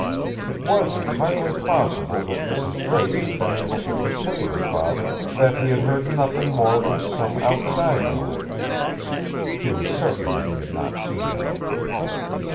It was entirely possible that Mrs. Brace had been able to persuade her father that he had heard nothing more than some outside noise. She was certain that he had not seen her.